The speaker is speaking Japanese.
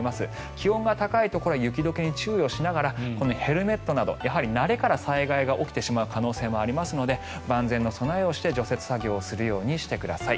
気温が高いところは雪解けに注意しながらヘルメットなどやはり、慣れから災害が起きてしまう可能性もありますので万全の備えをして、除雪作業をするようにしてください。